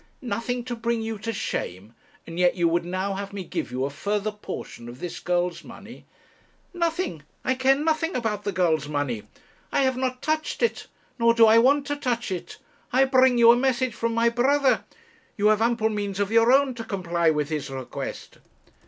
'Nothing to bring you to shame, and yet you would now have me give you a further portion of this girl's money!' 'Nothing! I care nothing about the girl's money. I have not touched it, nor do I want to touch it. I bring you a message from my brother; you have ample means of your own to comply with his request.'